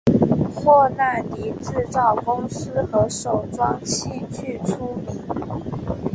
霍纳迪制造公司和手装器具出名。